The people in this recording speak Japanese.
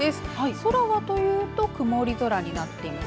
空はというと曇り空になっています。